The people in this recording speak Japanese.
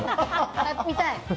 見たい！